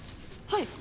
「はい」？